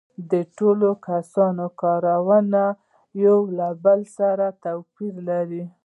د ټولو کسانو کارونه یو له بل سره توپیر لري